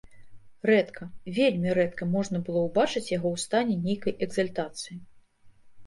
Рэдка, вельмі рэдка можна было ўбачыць яго ў стане нейкай экзальтацыі.